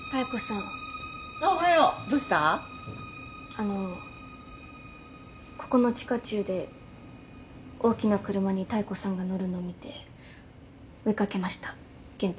あのここの地下駐で大きな車に妙子さんが乗るの見て追い掛けました原付きで。